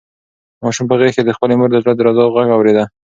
ماشوم په غېږ کې د خپلې مور د زړه د درزا غږ اورېده.